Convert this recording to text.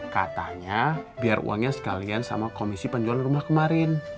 katanya biar uangnya sekalian sama komisi penjualan rumah kemarin